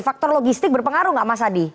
faktor logistik berpengaruh nggak mas adi